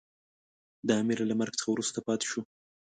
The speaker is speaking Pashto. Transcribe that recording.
د امیر له مرګ څخه وروسته پاته شو.